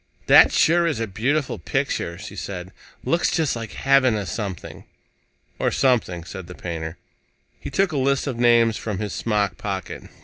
"That sure is a beautiful picture," she said. "Looks just like heaven or something." "Or something," said the painter. He took a list of names from his smock pocket.